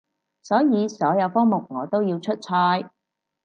所以所有科目我都要出賽